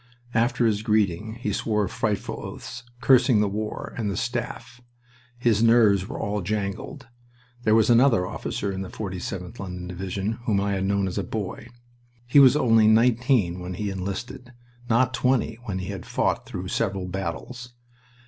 After his greeting he swore frightful oaths, cursing the war and the Staff. His nerves were all jangled. There was another officer in the 47th London Division whom I had known as a boy. He was only nineteen when he enlisted, not twenty when he had fought through several battles.